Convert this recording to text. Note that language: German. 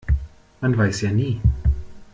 Man weiß ja nie.